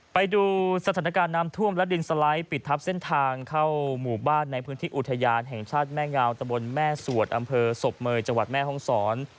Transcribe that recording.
ไปดูสถานการณ์น้ำท่วมและดินสไลด์ปิดทับเส้นทางเข้าหมู่บ้านในพื้นที่อุทยานแห่งชาติแม่งาวตะบนแม่สวดอำเภอศพเมย์จังหวัดแม่ห้องศร